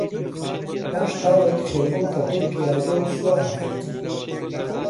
پاش تاوێک خرمە و تەپەی پیادە و سوار هات